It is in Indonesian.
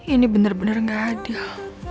ini bener bener gak adil